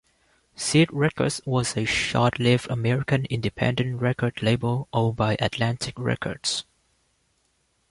Seed Records was a short-lived American independent record label owned by Atlantic Records.